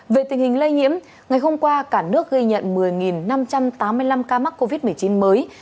về tình hình lây nhiễm ngày hôm qua cả nước ghi nhận một mươi năm trăm tám mươi năm ca mắc covid một mươi chín mới